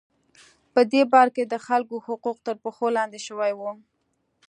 په دې پارک کې د خلکو حقوق تر پښو لاندې شوي وو.